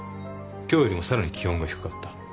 今日よりもさらに気温が低かった。